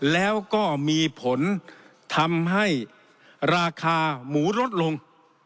แล้วก็มีผลทำให้ราคาหมูลดลง